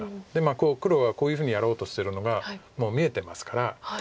黒がこういうふうにやろうとしてるのがもう見えてますから。